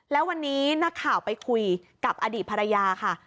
แล้ววันนี้นักข่าวไปคุยกับอดีตภรรยาค่ะ